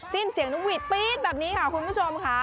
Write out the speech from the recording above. สิ้นเสียงนกหวีดปี๊ดแบบนี้ค่ะคุณผู้ชมค่ะ